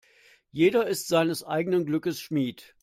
Jeder ist seines eigenen Glückes Schmied.